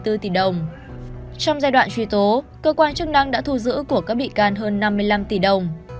trong giai đoạn truy tố cơ quan chức năng đã thu giữ của các bị can hơn năm mươi năm tỷ đồng